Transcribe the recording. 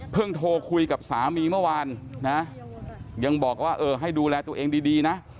โทรคุยกับสามีเมื่อวานนะยังบอกว่าเออให้ดูแลตัวเองดีนะ